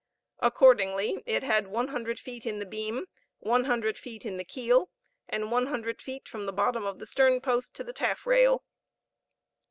Accordingly, it had one hundred feet in the beam, one hundred feet in the keel, and one hundred feet from the bottom of the stern post to the taffrail.